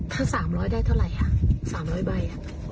ถ้า๓๐๐ได้เท่าไหร่๓๐๐ใบ